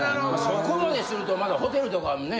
そこまでするとホテルとかね。